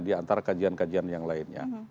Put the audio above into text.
di antara kajian kajian yang lainnya